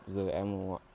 giờ em không gọi